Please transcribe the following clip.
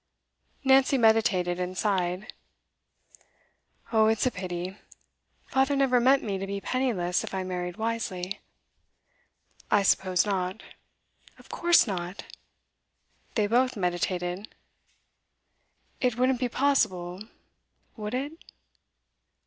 Nancy meditated, and sighed. 'Oh, it's a pity. Father never meant me to be penniless if I married wisely.' 'I suppose not.' 'Of course not!' They both meditated. 'It wouldn't be possible would it?